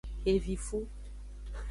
Xevifu.